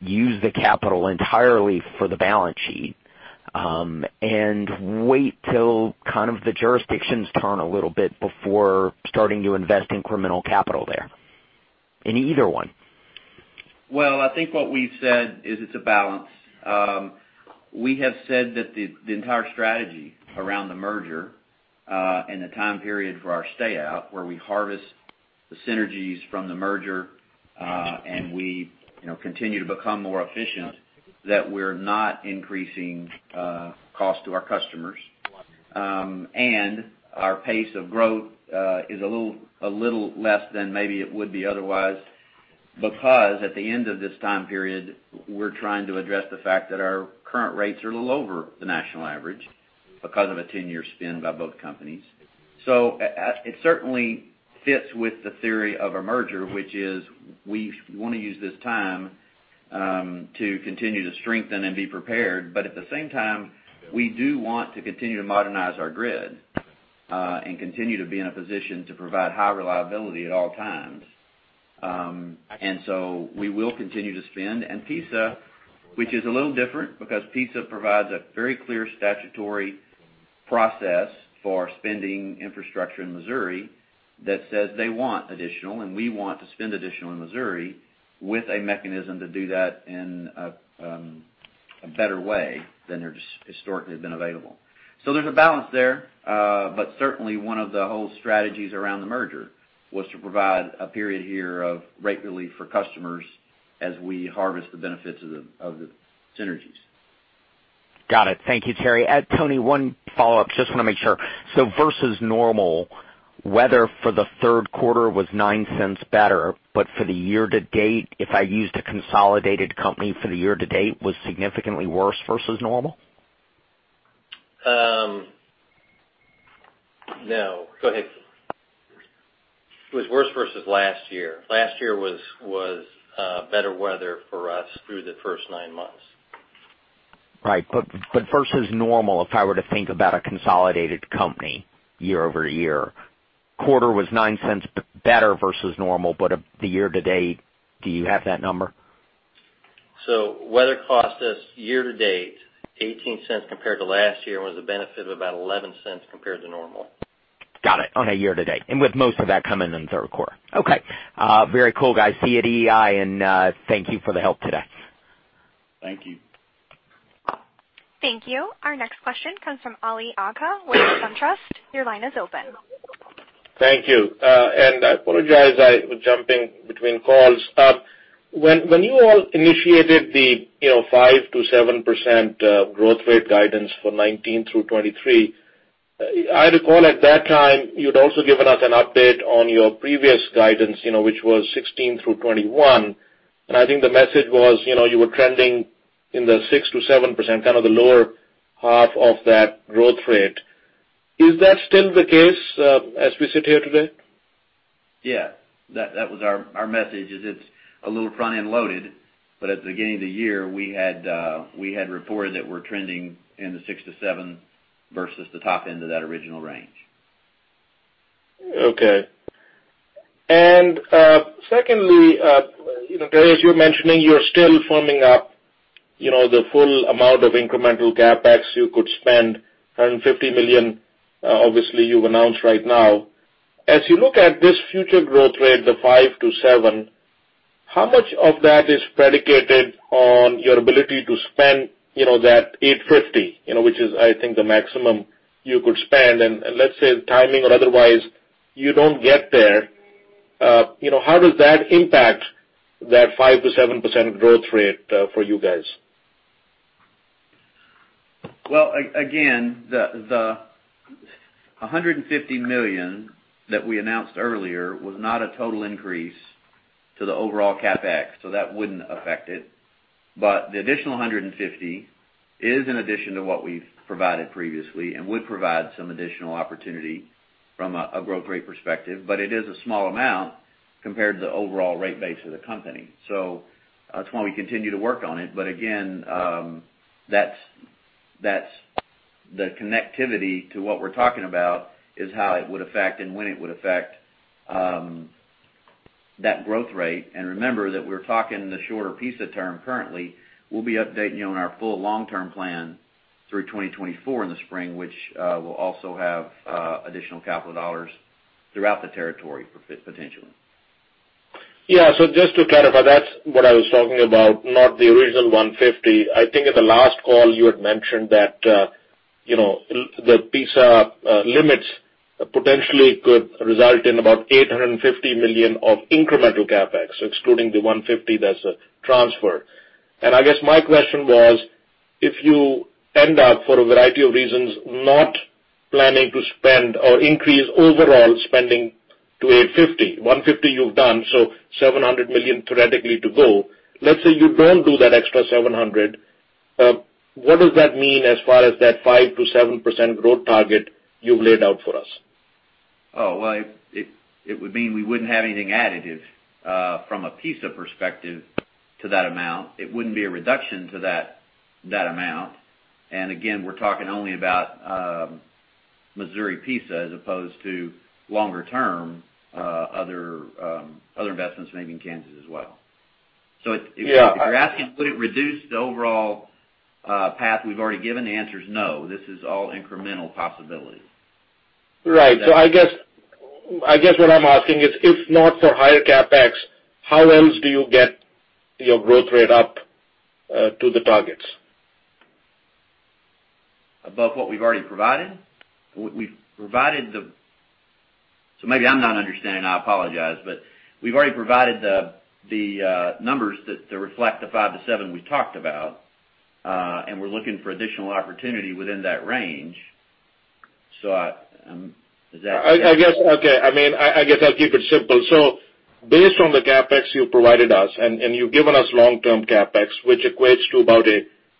[SPEAKER 9] use the capital entirely for the balance sheet, and wait till kind of the jurisdictions turn a little bit before starting to invest incremental capital there? In either one.
[SPEAKER 3] I think what we've said is it's a balance. We have said that the entire strategy around the merger, and the time period for our stay out where we harvest the synergies from the merger, and we continue to become more efficient that we're not increasing cost to our customers. Our pace of growth is a little less than maybe it would be otherwise, because at the end of this time period, we're trying to address the fact that our current rates are a little over the national average because of a 10-year spend by both companies. It certainly fits with the theory of a merger, which is we want to use this time to continue to strengthen and be prepared. At the same time, we do want to continue to modernize our grid, and continue to be in a position to provide high reliability at all times. We will continue to spend and PISA, which is a little different because PISA provides a very clear statutory process for spending infrastructure in Missouri that says they want additional, and we want to spend additional in Missouri with a mechanism to do that in a better way than there historically has been available. There's a balance there. Certainly one of the whole strategies around the merger was to provide a period here of rate relief for customers as we harvest the benefits of the synergies.
[SPEAKER 9] Got it. Thank you, Terry. Tony, one follow-up. Just want to make sure. Versus normal, weather for the third quarter was $0.09 better, but for the year-to-date, if I used a consolidated company for the year-to-date, was significantly worse versus normal?
[SPEAKER 4] No. Go ahead. It was worse versus last year. Last year was better weather for us through the first nine months.
[SPEAKER 9] Right. Versus normal, if I were to think about a consolidated company year-over-year, quarter was $0.09 better versus normal, but the year-to-date, do you have that number?
[SPEAKER 4] Weather cost us year-to-date $0.18 compared to last year was a benefit of about $0.11 compared to normal.
[SPEAKER 9] Got it, on a year-to-date and with most of that coming in the third quarter. Okay. Very cool, guys. See you at EEI. Thank you for the help today.
[SPEAKER 3] Thank you.
[SPEAKER 1] Thank you. Our next question comes from Ali Agha with SunTrust. Your line is open.
[SPEAKER 10] Thank you. I apologize, I was jumping between calls. When you all initiated the 5%-7% growth rate guidance for 2019 through 2023, I recall at that time you'd also given us an update on your previous guidance, which was 2016 through 2021. I think the message was you were trending in the 6%-7%, kind of the lower half of that growth rate. Is that still the case, as we sit here today?
[SPEAKER 3] Yeah, that was our message is it's a little front-end loaded, but at the beginning of the year, we had reported that we're trending in the six to seven versus the top end of that original range.
[SPEAKER 10] Okay. Secondly, Terry, as you were mentioning, you're still firming up the full amount of incremental CapEx you could spend, $150 million, obviously, you've announced right now. As you look at this future growth rate, the 5%-7%, how much of that is predicated on your ability to spend that $850, which is, I think, the maximum you could spend. Let's say timing or otherwise, you don't get there. How does that impact that 5%-7% growth rate for you guys?
[SPEAKER 3] Again, the $150 million that we announced earlier was not a total increase to the overall CapEx, that wouldn't affect it. The additional $150 million is an addition to what we've provided previously and would provide some additional opportunity from a growth rate perspective. That's why we continue to work on it. Again, that's the connectivity to what we're talking about is how it would affect and when it would affect that growth rate. Remember that we're talking the shorter PISA term currently. We'll be updating you on our full long-term plan through 2024 in the spring, which will also have additional capital dollars throughout the territory potentially.
[SPEAKER 10] Yeah. Just to clarify, that's what I was talking about, not the original $150. I think at the last call you had mentioned that the PISA limits potentially could result in about $850 million of incremental CapEx, excluding the $150 that's transferred. I guess my question was, if you end up, for a variety of reasons, not planning to spend or increase overall spending to $850, $150 you've done, so $700 million theoretically to go. Let's say you don't do that extra $700, what does that mean as far as that 5%-7% growth target you've laid out for us?
[SPEAKER 3] Oh, well, it would mean we wouldn't have anything additive from a PISA perspective to that amount. It wouldn't be a reduction to that amount. Again, we're talking only about Missouri PISA as opposed to longer term other investments made in Kansas as well. If you're asking would it reduce the overall path we've already given, the answer is no. This is all incremental possibilities.
[SPEAKER 10] Right. I guess what I'm asking is, if not for higher CapEx, how else do you get your growth rate up to the targets?
[SPEAKER 3] Above what we've already provided? Maybe I'm not understanding, I apologize, but we've already provided the numbers that reflect the five to seven we've talked about, and we're looking for additional opportunity within that range.
[SPEAKER 10] I guess, okay. I guess I'll keep it simple. Based on the CapEx you provided us, and you've given us long-term CapEx, which equates to about,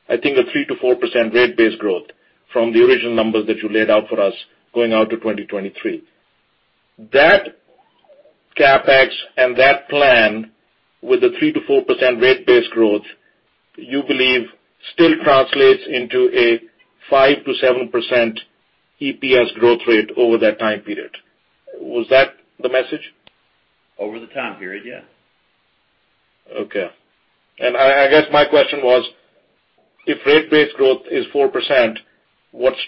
[SPEAKER 10] I think, a 3%-4% rate base growth from the original numbers that you laid out for us going out to 2023. That CapEx and that plan with the 3%-4% rate base growth, you believe still translates into a 5%-7% EPS growth rate over that time period. Was that the message?
[SPEAKER 3] Over the time period, yeah.
[SPEAKER 10] Okay. I guess my question was, if rate base growth is 4%, what's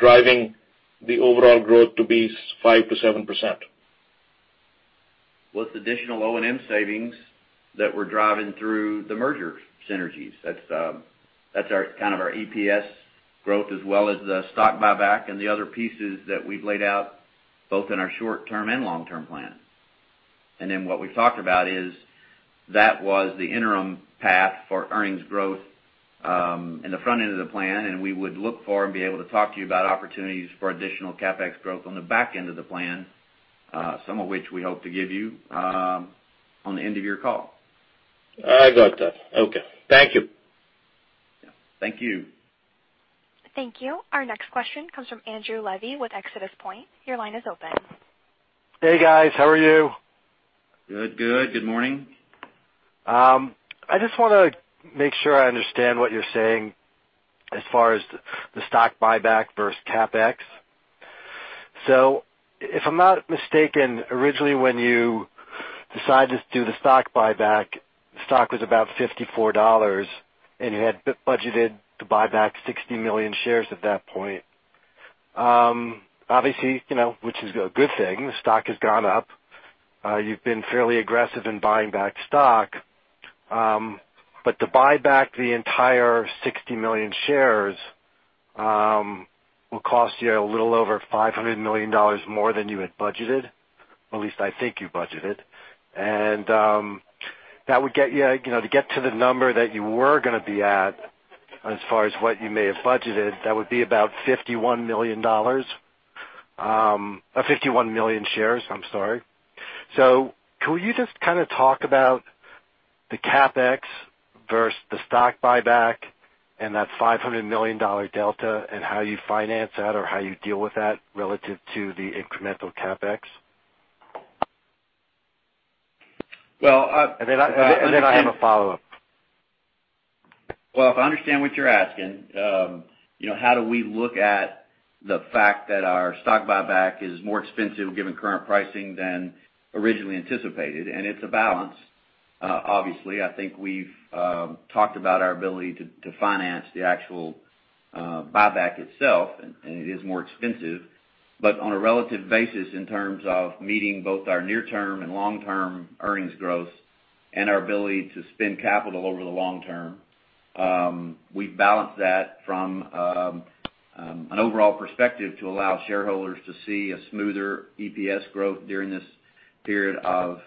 [SPEAKER 10] driving the overall growth to be 5%-7%?
[SPEAKER 3] With additional O&M savings that we're driving through the merger synergies, that's kind of our EPS growth, as well as the stock buyback and the other pieces that we've laid out both in our short-term and long-term plan. What we've talked about is that was the interim path for earnings growth in the front end of the plan, and we would look for and be able to talk to you about opportunities for additional CapEx growth on the back end of the plan, some of which we hope to give you on the end of your call.
[SPEAKER 10] I got that. Okay. Thank you.
[SPEAKER 3] Thank you.
[SPEAKER 1] Thank you. Our next question comes from Andrew Levi with ExodusPoint. Your line is open.
[SPEAKER 11] Hey, guys. How are you?
[SPEAKER 3] Good morning.
[SPEAKER 11] I just want to make sure I understand what you're saying as far as the stock buyback versus CapEx. If I'm not mistaken, originally when you decided to do the stock buyback, stock was about $54, and you had budgeted to buy back 60 million shares at that point. Obviously, which is a good thing. The stock has gone up. You've been fairly aggressive in buying back stock. To buy back the entire 60 million shares will cost you a little over $500 million more than you had budgeted, or at least I think you budgeted. To get to the number that you were going to be at as far as what you may have budgeted, that would be about $51 million. 51 million shares, I'm sorry. Could you just kind of talk about the CapEx versus the stock buyback and that $500 million delta and how you finance that or how you deal with that relative to the incremental CapEx?
[SPEAKER 3] Well-
[SPEAKER 11] I have a follow-up.
[SPEAKER 3] Well, if I understand what you're asking, how do we look at the fact that our stock buyback is more expensive given current pricing than originally anticipated? It's a balance. Obviously, I think we've talked about our ability to finance the actual buyback itself, and it is more expensive. On a relative basis in terms of meeting both our near-term and long-term earnings growth and our ability to spend capital over the long term, we've balanced that from an overall perspective to allow shareholders to see a smoother EPS growth during this period of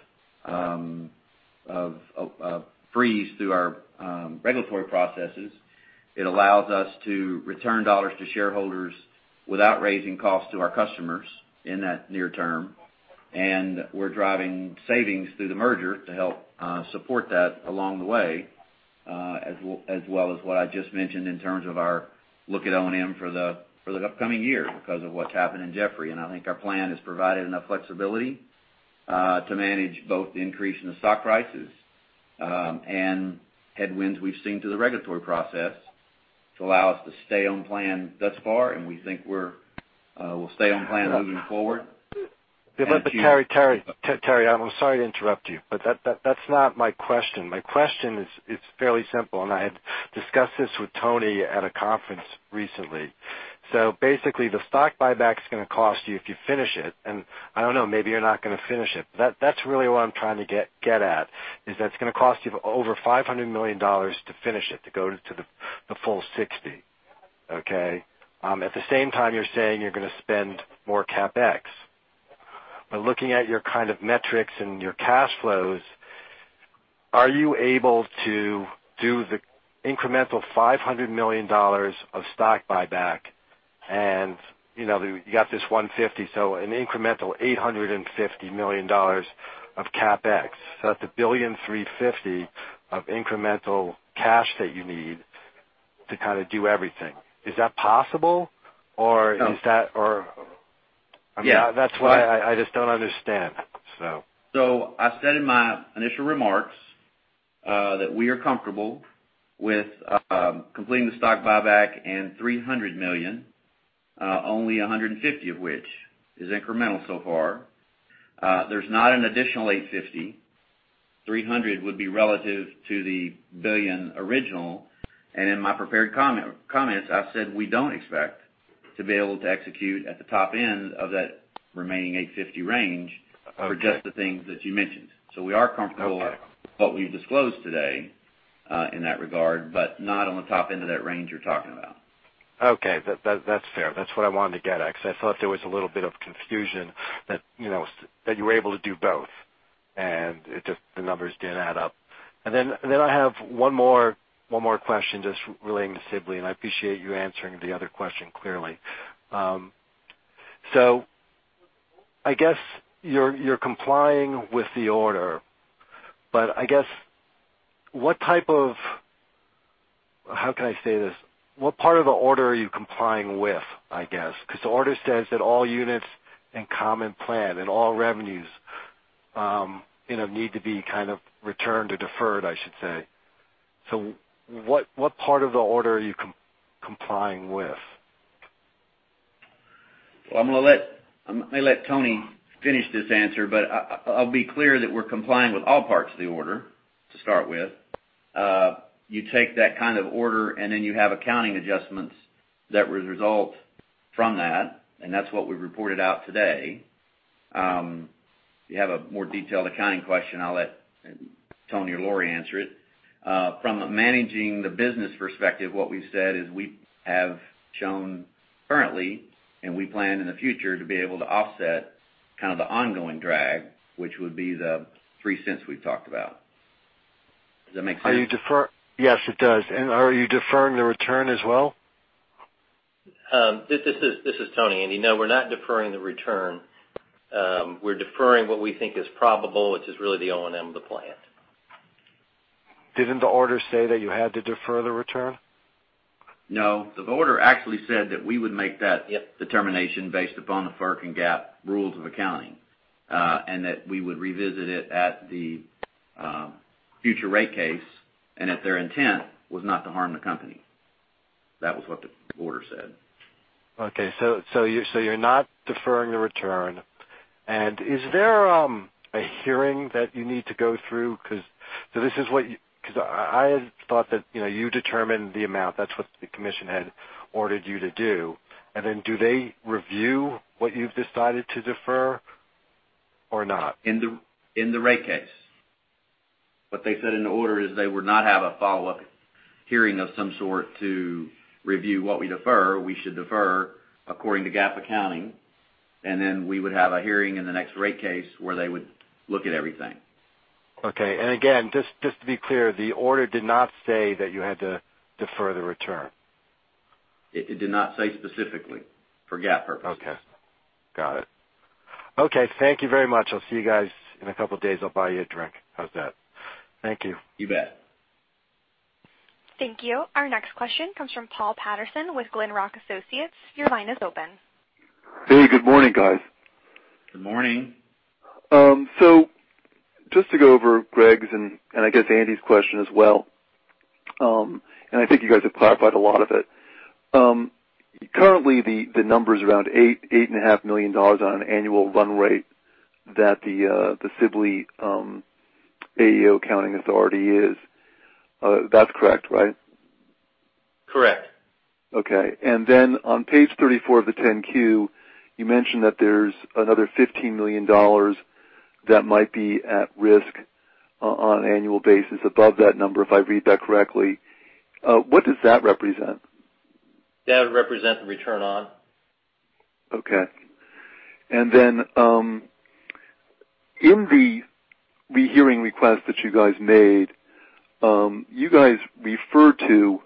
[SPEAKER 3] freeze through our regulatory processes. It allows us to return dollars to shareholders without raising costs to our customers in that near term. We're driving savings through the merger to help support that along the way, as well as what I just mentioned in terms of our look at O&M for the upcoming year because of what's happened in Jeffrey. I think our plan has provided enough flexibility to manage both the increase in the stock prices and headwinds we've seen to the regulatory process to allow us to stay on plan thus far, and we think we'll stay on plan moving forward.
[SPEAKER 11] Terry, I'm sorry to interrupt you, but that's not my question. My question is fairly simple, and I had discussed this with Tony at a conference recently. Basically, the stock buyback's going to cost you if you finish it, and I don't know, maybe you're not going to finish it. That's really what I'm trying to get at, is that it's going to cost you over $500 million to finish it, to go to the full 60. Okay? At the same time, you're saying you're going to spend more CapEx. Looking at your kind of metrics and your cash flows, are you able to do the incremental $500 million of stock buyback and, you got this 150, so an incremental $850 million of CapEx. That's $1.35 billion of incremental cash that you need to kind of do everything. Is that possible? Or is that
[SPEAKER 3] Yeah.
[SPEAKER 11] That's why I just don't understand.
[SPEAKER 3] I said in my initial remarks that we are comfortable with completing the stock buyback and $300 million, only $150 million of which is incremental so far. There's not an additional $850 million. $300 million would be relative to the $1 billion original. In my prepared comments, I've said we don't expect to be able to execute at the top end of that remaining $850 million range.
[SPEAKER 11] Okay
[SPEAKER 3] for just the things that you mentioned. We are comfortable.
[SPEAKER 11] Okay
[SPEAKER 3] with what we've disclosed today, in that regard, but not on the top end of that range you're talking about.
[SPEAKER 11] Okay. That's fair. That's what I wanted to get at, because I thought there was a little bit of confusion that you were able to do both, and the numbers didn't add up. I have one more question, just relating to Sibley, and I appreciate you answering the other question clearly. I guess you're complying with the order, but I guess, How can I say this? What part of the order are you complying with, I guess? The order says that all units and common plan and all revenues need to be kind of returned or deferred, I should say. What part of the order are you complying with?
[SPEAKER 3] Well, I'm going to let Tony finish this answer, but I'll be clear that we're complying with all parts of the order, to start with. You take that kind of order, and then you have accounting adjustments that would result from that, and that's what we reported out today. If you have a more detailed accounting question, I'll let Tony or Lori answer it. From a managing the business perspective, what we've said is we have shown currently, and we plan in the future to be able to offset kind of the ongoing drag, which would be the $0.03 we've talked about. Does that make sense?
[SPEAKER 11] Yes, it does. Are you deferring the return as well?
[SPEAKER 4] This is Tony. Andy, no, we're not deferring the return. We're deferring what we think is probable, which is really the O&M of the plant.
[SPEAKER 11] Didn't the order say that you had to defer the return?
[SPEAKER 4] No, the order actually said that we would make that determination based upon the FERC and GAAP rules of accounting. That we would revisit it at the future rate case, and that their intent was not to harm the company. That was what the order said.
[SPEAKER 11] Okay, you're not deferring the return. Is there a hearing that you need to go through? Because I thought that you determined the amount. That's what the commission had ordered you to do. Do they review what you've decided to defer or not?
[SPEAKER 4] In the rate case. What they said in the order is they would not have a follow-up hearing of some sort to review what we defer. We should defer according to GAAP accounting, and then we would have a hearing in the next rate case where they would look at everything.
[SPEAKER 11] Okay. Again, just to be clear, the order did not say that you had to defer the return.
[SPEAKER 4] It did not say specifically for GAAP purposes.
[SPEAKER 11] Okay. Got it. Okay. Thank you very much. I'll see you guys in a couple of days. I'll buy you a drink. How's that? Thank you.
[SPEAKER 4] You bet.
[SPEAKER 1] Thank you. Our next question comes from Paul Patterson with Glenrock Associates. Your line is open.
[SPEAKER 12] Hey, good morning, guys.
[SPEAKER 3] Good morning.
[SPEAKER 12] Just to go over Greg's, and I guess Andy's question as well, and I think you guys have clarified a lot of it. Currently, the number's around eight and a half million dollars on an annual run rate that the Sibley AAO accounting authority is. That's correct, right?
[SPEAKER 3] Correct.
[SPEAKER 12] Okay. Then on page 34 of the 10-Q, you mentioned that there's another $15 million that might be at risk on an annual basis above that number, if I read that correctly. What does that represent?
[SPEAKER 3] That would represent the return on.
[SPEAKER 12] Okay. In the rehearing request that you guys made, you guys referred to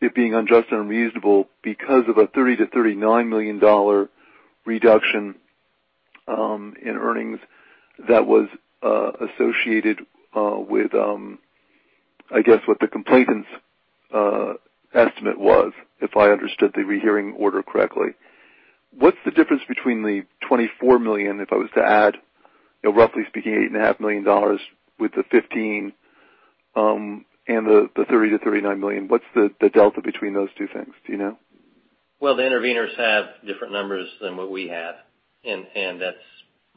[SPEAKER 12] it being unjust and unreasonable because of a $30 million-$39 million reduction in earnings that was associated with, I guess, what the complainant's estimate was, if I understood the rehearing order correctly. What's the difference between the $24 million, if I was to add, roughly speaking, $8.5 million with the $15 million, and the $30 million-$39 million? What's the delta between those two things? Do you know?
[SPEAKER 3] Well, the intervenors have different numbers than what we have, and that's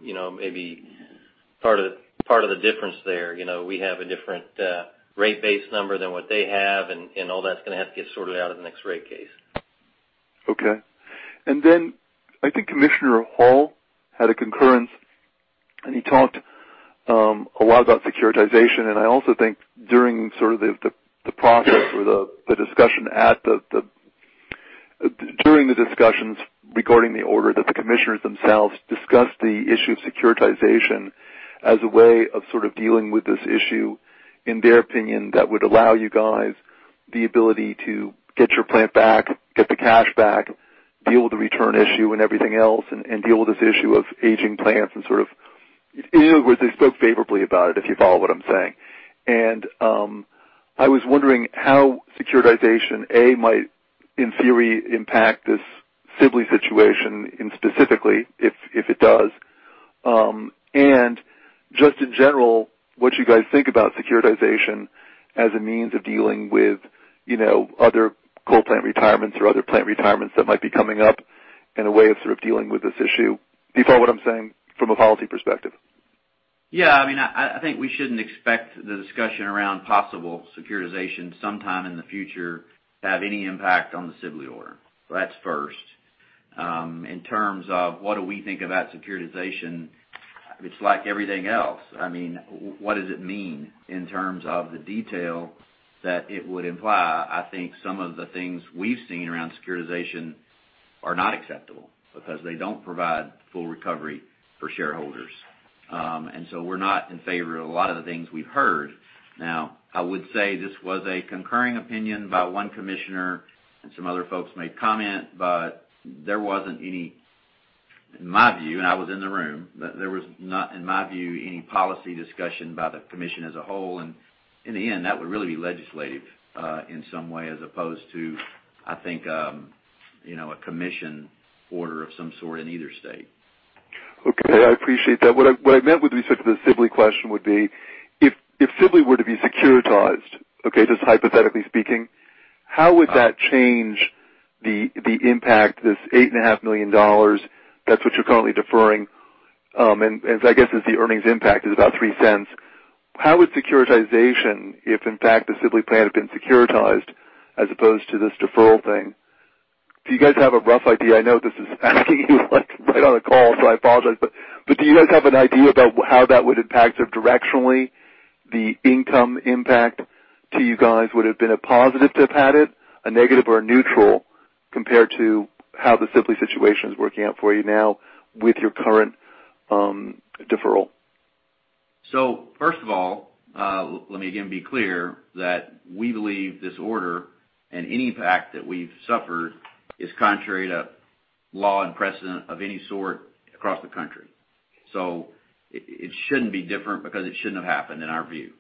[SPEAKER 3] maybe part of the difference there. We have a different rate base number than what they have, and all that's going to have to get sorted out in the next rate case.
[SPEAKER 12] Okay. I think Commissioner Hall had a concurrence, and he talked a lot about securitization. I also think during sort of the process or during the discussions regarding the order that the commissioners themselves discussed the issue of securitization as a way of sort of dealing with this issue, in their opinion, that would allow you guys the ability to get your plant back, get the cash back, deal with the return issue and everything else, and deal with this issue of aging plants and sort of. In other words, they spoke favorably about it, if you follow what I'm saying. I was wondering how securitization, A, might, in theory, impact this Sibley situation and specifically if it does. Just in general, what you guys think about securitization as a means of dealing with other coal plant retirements or other plant retirements that might be coming up and a way of sort of dealing with this issue? Do you follow what I'm saying from a policy perspective?
[SPEAKER 3] Yeah. I think we shouldn't expect the discussion around possible securitization sometime in the future to have any impact on the Sibley order. That's first. In terms of what do we think about securitization, it's like everything else. What does it mean in terms of the detail that it would imply? I think some of the things we've seen around securitization are not acceptable because they don't provide full recovery for shareholders. We're not in favor of a lot of the things we've heard. I would say this was a concurring opinion by one commissioner, and some other folks made comment, but there wasn't any, in my view, and I was in the room, any policy discussion by the commission as a whole. In the end, that would really be legislative in some way as opposed to, I think, a commission order of some sort in either state.
[SPEAKER 12] Okay. I appreciate that. What I meant with respect to the Sibley question would be, if Sibley were to be securitized, just hypothetically speaking, how would that change the impact, this eight and a half million dollars, that's what you're currently deferring. I guess as the earnings impact is about $0.03, how would securitization, if in fact the Sibley plant had been securitized as opposed to this deferral thing, do you guys have a rough idea? I know this is asking you right on a call, so I apologize, but do you guys have an idea about how that would impact directionally the income impact to you guys? Would it have been a positive to have had it, a negative, or a neutral compared to how the Sibley situation is working out for you now with your current deferral?
[SPEAKER 3] First of all, let me again be clear that we believe this order and any impact that we've suffered is contrary to law and precedent of any sort across the country. It shouldn't be different because it shouldn't have happened, in our view.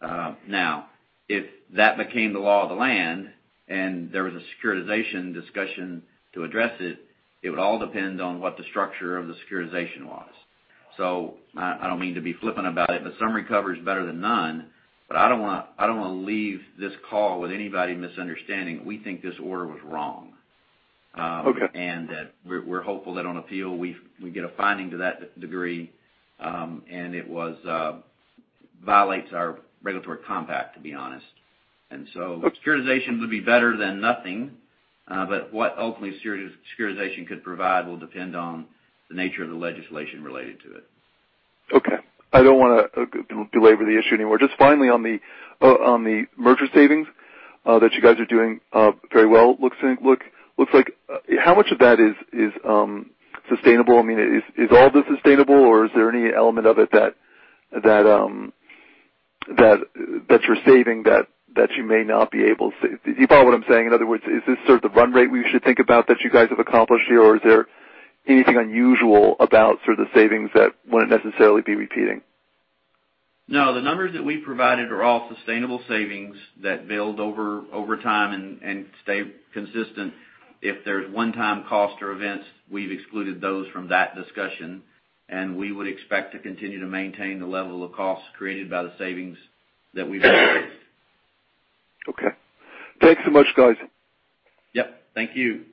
[SPEAKER 3] Now, if that became the law of the land and there was a securitization discussion to address it would all depend on what the structure of the securitization was. I don't mean to be flippant about it, but some recovery is better than none, but I don't want to leave this call with anybody misunderstanding. We think this order was wrong.
[SPEAKER 12] Okay.
[SPEAKER 3] That we're hopeful that on appeal, we get a finding to that degree, and it violates our regulatory compact, to be honest. Securitization would be better than nothing. What ultimately securitization could provide will depend on the nature of the legislation related to it.
[SPEAKER 12] Okay. I don't want to delay with the issue anymore. Just finally on the merger savings that you guys are doing very well, looks like, how much of that is sustainable? Is all of this sustainable, or is there any element of it that you're saving that you may not be able to save? Do you follow what I'm saying? In other words, is this sort of the run rate we should think about that you guys have accomplished here, or is there anything unusual about the savings that wouldn't necessarily be repeating?
[SPEAKER 3] No, the numbers that we provided are all sustainable savings that build over time and stay consistent. If there's one-time cost or events, we've excluded those from that discussion, and we would expect to continue to maintain the level of costs created by the savings that we've identified.
[SPEAKER 12] Okay. Thanks so much, guys.
[SPEAKER 3] Yep. Thank you.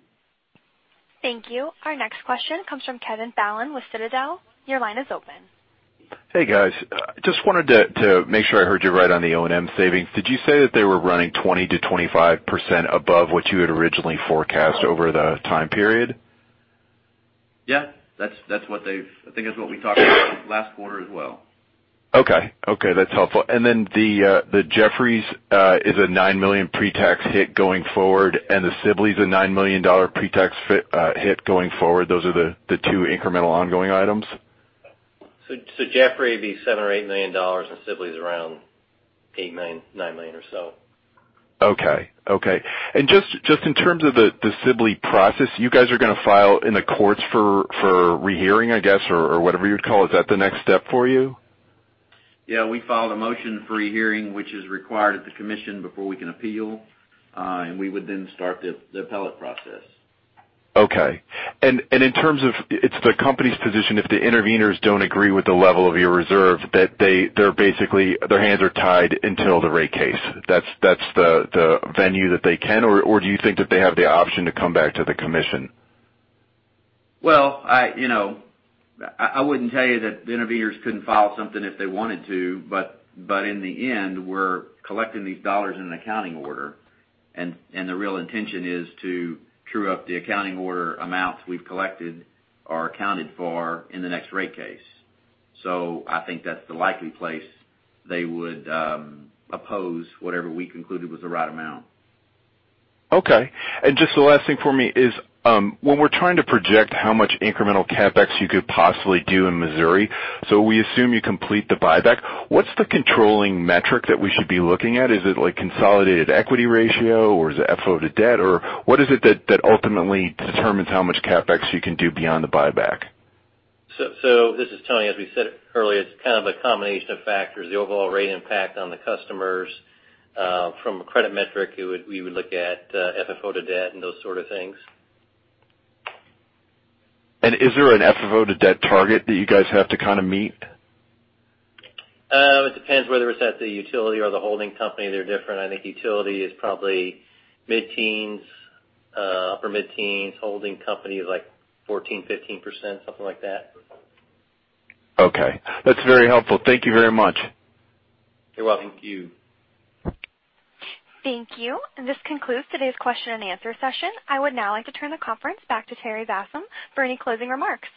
[SPEAKER 1] Thank you. Our next question comes from Kevin Fallon with Citadel. Your line is open.
[SPEAKER 13] Hey, guys. Just wanted to make sure I heard you right on the O&M savings. Did you say that they were running 20%-25% above what you had originally forecast over the time period?
[SPEAKER 3] Yeah, I think that's what we talked about last quarter as well.
[SPEAKER 13] That's helpful. The Jeffrey is a $9 million pre-tax hit going forward, and the Sibley's a $9 million pre-tax hit going forward. Those are the two incremental ongoing items?
[SPEAKER 3] Jeffrey would be $7 million-$8 million, and Sibley's around $8 million-$9 million or so.
[SPEAKER 13] Okay. Just in terms of the Sibley process, you guys are going to file in the courts for rehearing, I guess, or whatever you'd call it. Is that the next step for you?
[SPEAKER 3] Yeah, we filed a motion for rehearing, which is required at the commission before we can appeal. We would then start the appellate process.
[SPEAKER 13] Okay. In terms of, it's the company's position if the intervenors don't agree with the level of your reserve, that basically their hands are tied until the rate case. That's the venue that they can, or do you think that they have the option to come back to the commission?
[SPEAKER 3] I wouldn't tell you that the intervenors couldn't file something if they wanted to, in the end, we're collecting these dollars in an accounting order, and the real intention is to true up the accounting order amounts we've collected are accounted for in the next rate case. I think that's the likely place they would oppose whatever we concluded was the right amount.
[SPEAKER 13] Okay. Just the last thing for me is, when we're trying to project how much incremental CapEx you could possibly do in Missouri, so we assume you complete the buyback. What's the controlling metric that we should be looking at? Is it like consolidated equity ratio, or is it FFO to debt? What is it that ultimately determines how much CapEx you can do beyond the buyback?
[SPEAKER 4] This is Tony. As we said earlier, it's kind of a combination of factors, the overall rate impact on the customers. From a credit metric, we would look at FFO to debt and those sort of things.
[SPEAKER 13] Is there an FFO to debt target that you guys have to kind of meet?
[SPEAKER 4] It depends whether it's at the utility or the holding company. They're different. I think utility is probably mid-teens, upper mid-teens. Holding company is like 14%, 15%, something like that.
[SPEAKER 13] Okay. That's very helpful. Thank you very much.
[SPEAKER 4] You're welcome.
[SPEAKER 1] Thank you. This concludes today's question and answer session. I would now like to turn the conference back to Terry Bassham for any closing remarks.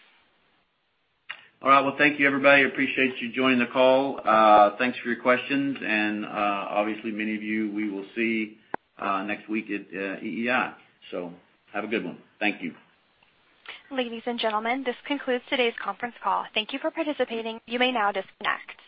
[SPEAKER 3] All right. Well, thank you, everybody. Appreciate you joining the call. Thanks for your questions. Obviously, many of you we will see next week at EEI. Have a good one. Thank you.
[SPEAKER 1] Ladies and gentlemen, this concludes today's conference call. Thank you for participating. You may now disconnect.